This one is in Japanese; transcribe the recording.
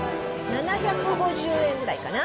７５０円ぐらいかな。